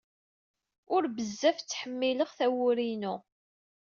Ur d bzzaf ttḥmilɣ tawuri inu